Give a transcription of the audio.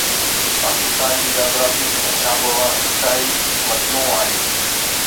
پاڪستان جي جاگرافي ۽ آبهوا انتهائي متنوع آهي